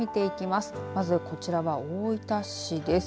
まずこちらは大分市です。